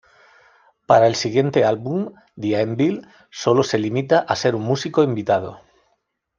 Para el siguiente álbum, "The Anvil", sólo se limita a ser un músico invitado.